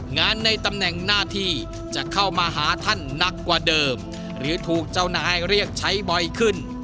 ในตำแหน่งหน้าที่จะเข้ามาหาท่านหนักกว่าเดิมหรือถูกเจ้านายเรียกใช้บ่อยขึ้น